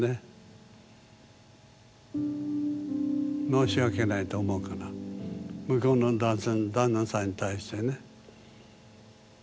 申し訳ないと思うから向こうの旦那さんに対してね。